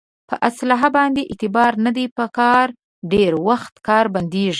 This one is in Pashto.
په اصلحه باندې اعتبار نه دی په کار ډېری وخت کار بندېږي.